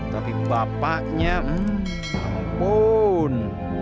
tapi bapaknya hmm ampun